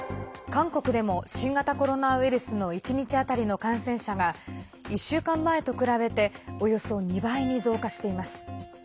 韓国でも新型コロナウイルスの１日当たりの感染者が１週間前と比べておよそ２倍に増加しています。